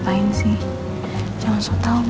bakal legen amat aja jam siam